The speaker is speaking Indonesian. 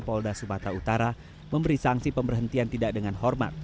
polda sumatera utara memberi sanksi pemberhentian tidak dengan hormat